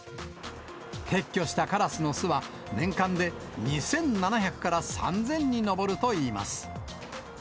撤去したカラスの巣は、年間で２７００から３０００に上るといいます。